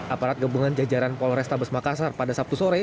aparat gabungan jajaran polrestabes makassar pada sabtu sore